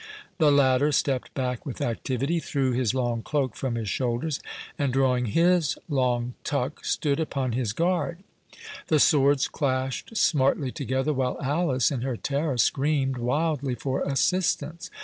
The latter stepped back with activity, threw his long cloak from his shoulders, and drawing his long tuck, stood upon his guard. The swords clashed smartly together, while Alice, in her terror, screamed wildly for assistance.